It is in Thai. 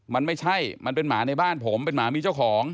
มันไม่ใช่มันเป็นหมาในบ้านผมเป็นหมามีเจ้าของ